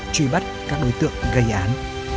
truy bắt các đối tượng gây án